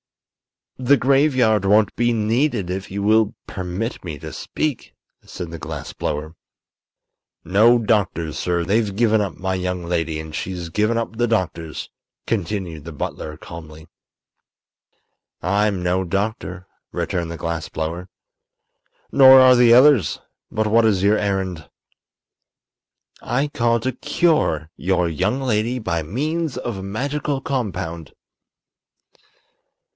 "The graveyard won't be needed if you will permit me to speak," said the glass blower. "No doctors, sir; they've given up my young lady, and she's given up the doctors," continued the butler, calmly. "I'm no doctor," returned the glass blower. "Nor are the others. But what is your errand?" "I called to cure your young lady by means of a magical compound."